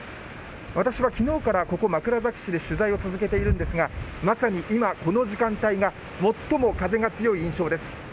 私は昨日から、ここ枕崎市で取材を続けているんですがまさに今、この時間帯が最も風が強い印象です。